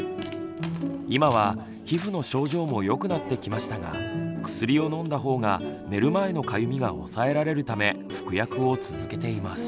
今は皮膚の症状もよくなってきましたが薬を飲んだ方が寝る前のかゆみが抑えられるため服薬を続けています。